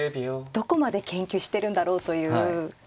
どこまで研究してるんだろうという。